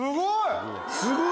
すごい！